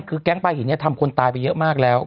คือแก๊งปลาหินเนี่ยทำคนตายไปเยอะมากแล้ว